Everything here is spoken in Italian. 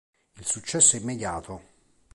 Il successo è immediato.